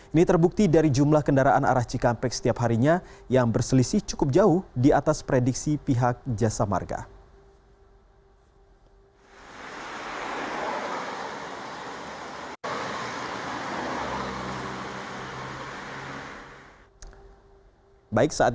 ini terbukti dari jumlah kendaraan arah cikampek setiap harinya yang berselisih cukup jauh di atas prediksi pihak jasa marga